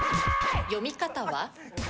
読み方は？